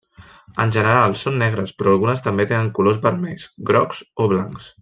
En general són negres però algunes també tenen colors vermells, grocs o blancs.